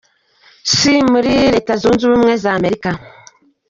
C muri Leta Zunze Ubumwe za Amerika.